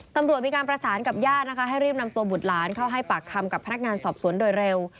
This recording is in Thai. ตำรวจมีการประสานกับญาตินะคะให้รีบนำตัวบุตรหลานเข้าให้ปากคำกับพนักงานสอบสวนโดยเร็ว